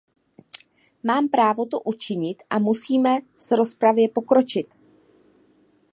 Mám právo to učinit a musíme s rozpravě pokročit.